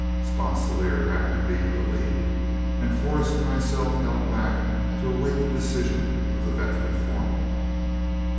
Sponsilier happened to be in the lead, and Forrest and myself held back to await the decision of the veteran foreman.